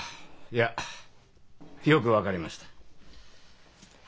いやよく分かりました。